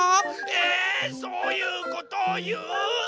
えそういうことをいう？